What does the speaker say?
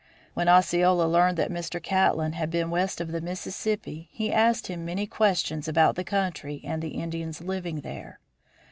When Osceola learned that Mr. Catlin had been west of the Mississippi he asked him many questions about the country and the Indians living there.